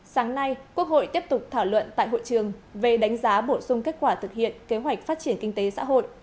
sáng nay quốc hội tiếp tục thảo luận tại hội trường về đánh giá bổ sung kết quả thực hiện kế hoạch phát triển kinh tế xã hội